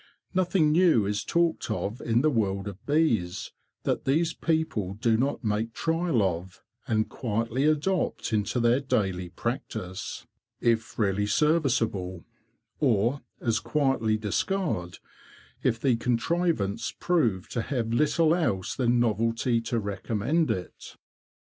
Nothing new is talked of in the world of bees that these people do not make trial of, and quietly adopt into their daily practice, if really serviceable; or as quietly discard, if the contrivance prove to have little else than novelty to recommend it.